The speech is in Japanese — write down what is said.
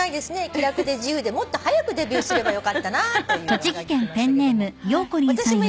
「気楽で自由でもっと早くデビューすればよかったな」というおはがき来ましたけども。